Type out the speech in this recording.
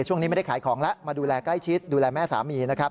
ช่วงนี้ไม่ได้ขายของแล้วมาดูแลใกล้ชิดดูแลแม่สามีนะครับ